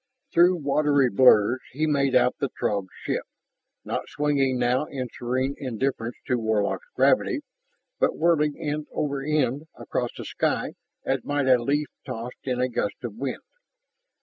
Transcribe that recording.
Through watery blurs he made out the Throg ship, not swinging now in serene indifference to Warlock's gravity, but whirling end over end across the sky as might a leaf tossed in a gust of wind.